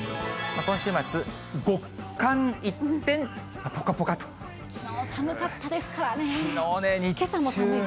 今週末、きのう寒かったですからね。